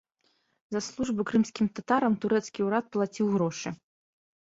За службу крымскім татарам турэцкі ўрад плаціў грошы.